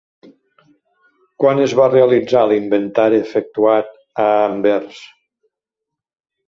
Quan es va realitzar l'inventari efectuat a Anvers?